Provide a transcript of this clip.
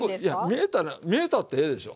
見えたってええでしょ。